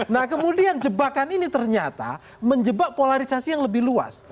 nah kemudian jebakan ini ternyata menjebak polarisasi yang lebih luas